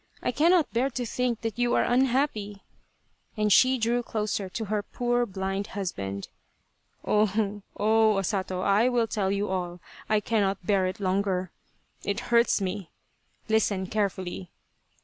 I cannot bear to think that you are unhappy," and she drew closer to her poor blind husband. " Oh, oh, O Sato, I will tell you all I cannot bear it longer. It hurts me. Listen carefully